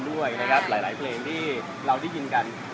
ได้ฟังเพลงพระราชนิภนด้วยหลายเพลงที่เราได้ยินกัน